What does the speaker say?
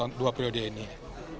itu ketua mpr itu di jabat oleh mpr